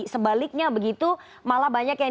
sebaliknya begitu malah banyak yang